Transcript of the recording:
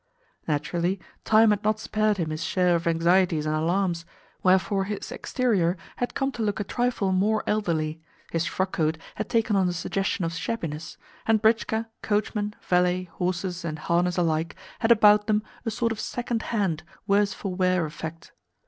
Naturally, time had not spared him his share of anxieties and alarms; wherefore his exterior had come to look a trifle more elderly, his frockcoat had taken on a suggestion of shabbiness, and britchka, coachman, valet, horses, and harness alike had about them a sort of second hand, worse for wear effect.